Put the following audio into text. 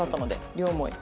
両思い。